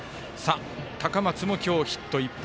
高松も今日、ヒット１本。